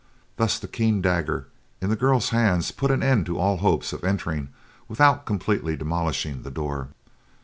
Thus the keen dagger in the girl's hand put an end to all hopes of entering without completely demolishing the door.